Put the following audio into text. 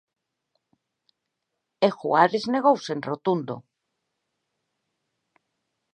E Juárez negouse en rotundo.